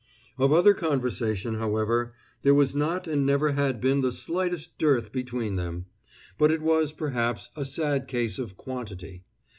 Of other conversation, however, there was not and never had been the slightest dearth between them; but it was, perhaps, a sad case of quantity.